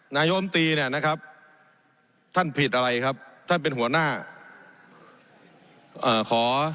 นายมตรีเนี่ยนะครับท่านผิดอะไรครับท่านเป็นหัวหน้าเอ่อขอ